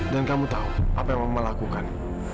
dan kamu tahu apa yang mama lakukan